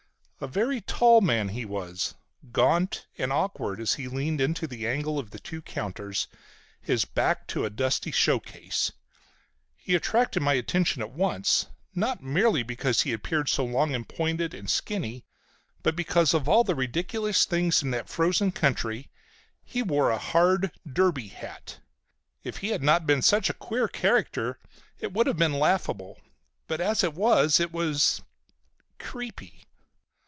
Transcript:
A very tall man he was, gaunt and awkward as he leaned into the angle of the two counters, his back to a dusty show case. He attracted my attention at once. Not merely because he appeared so long and pointed and skinny, but because, of all ridiculous things in that frozen country, he wore a hard derby hat! If he had not been such a queer character it would have been laughable, but as it was it was—creepy.